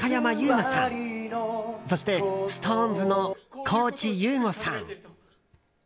馬さんそして、ＳｉｘＴＯＮＥＳの高地優吾さん。